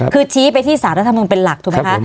คือชี้ไปที่สารรัฐมนุนเป็นหลักถูกไหมคะ